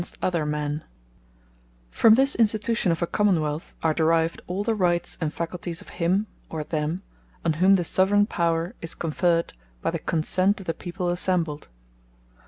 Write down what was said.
The Subjects Cannot Change The Forme Of Government From this Institution of a Common wealth are derived all the Rights, and Facultyes of him, or them, on whom the Soveraigne Power is conferred by the consent of the People assembled.